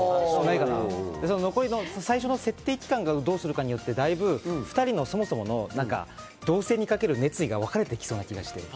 最初の設定期間をどうするかによって、だいぶ２人のそもそもの同棲にかける熱意が別れていきそうな気がして。